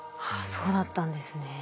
そうだったんですね。